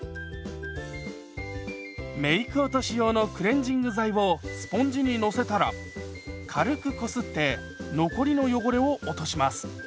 メーク落とし用のクレンジング剤をスポンジにのせたら軽くこすって残りの汚れを落とします。